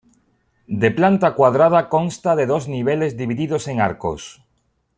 De planta cuadrada consta de dos niveles divididos en arcos.